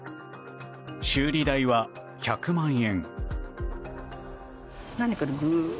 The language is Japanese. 修理代は１００万円。